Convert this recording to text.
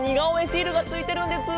シールがついてるんです。